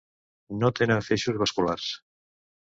No tenen feixos vasculars.